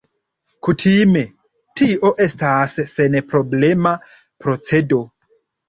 Kutime, tio estas senproblema procedo.